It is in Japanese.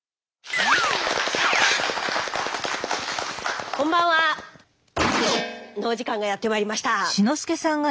ガッテン！のお時間がやってまいりました。